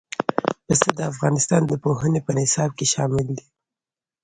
پسه د افغانستان د پوهنې په نصاب کې شامل دی.